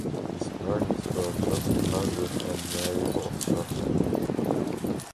His parents were Joseph Herndon and Mary Boswell Herndon.